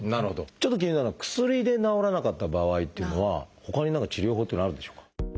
ちょっと気になるのは薬で治らなかった場合っていうのはほかに何か治療法っていうのはあるんでしょうか？